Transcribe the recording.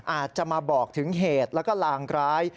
อาจจะมาบอกถึงเหตุแล้วก็ลางร้าย